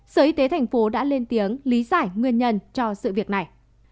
sở y tế tp hcm đã lên tiếng lý giải nguyên nhân cho sự việc này